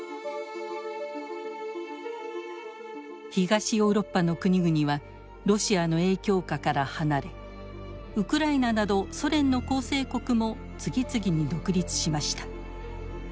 東ヨーロッパの国々はロシアの影響下から離れウクライナなどソ連の構成国も次々に独立しました。